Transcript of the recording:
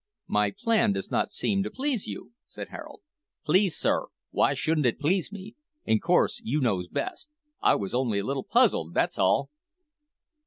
"My plan does not seem to please you," said Harold. "Please me, sir, w'y shouldn't it please me? In course you knows best; I was only a little puzzled, that's all."